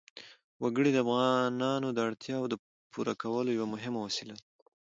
وګړي د افغانانو د اړتیاوو د پوره کولو یوه مهمه وسیله ده.